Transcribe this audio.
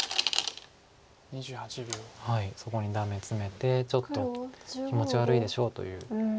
そこにダメツメてちょっと気持ち悪いでしょうという。